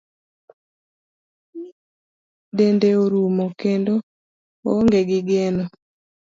Dende orumo, kendo oonge gi geno.